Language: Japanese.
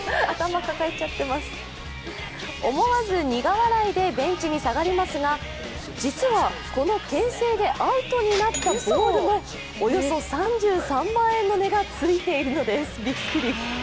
思わず苦笑いでベンチに下がりますが実はこのけん制でアウトになったボールもおよそ３３万円の値がついているんです、びっくり。